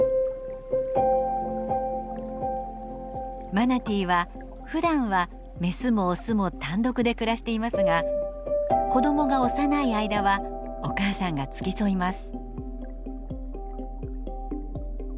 マナティーはふだんはメスもオスも単独で暮らしていますが子どもが幼い間はお母さんが付き添います。